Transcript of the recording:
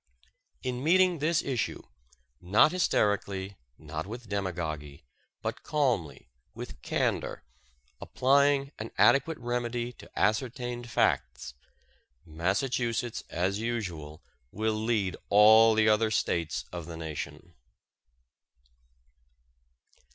In meeting this issue, not hysterically, not with demagogy, but calmly, with candor, applying an adequate remedy to ascertained facts, Massachusetts, as usual, will lead all the other States of the Nation.